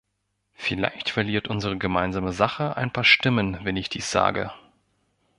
Vielleicht verliert unsere gemeinsame Sache ein paar Stimmen, wenn ich dies sage.